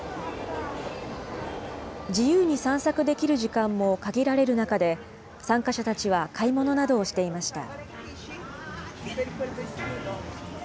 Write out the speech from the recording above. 自由に散策できる時間も限られる中で、参加者たちは買い物などをしていました。